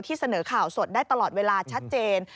เสนอข่าวสดได้ตลอดเวลาชัดเจน